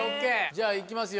じゃあいきますよ。